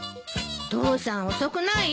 父さん遅くない？